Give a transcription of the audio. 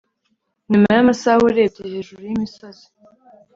Nyuma yamasaha urebye hejuru yimisozi